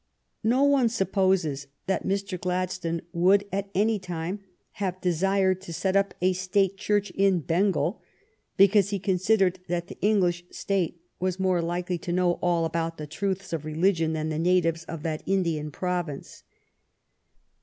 No one supposes that Mr. Gladstone would at any time have desired to set up a State Church in Bengal because he considered that the English State was more likely to know all about the truths of religion than the natives of that Indian province.